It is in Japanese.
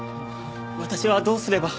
私はどうすれば？